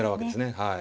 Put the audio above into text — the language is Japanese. はい。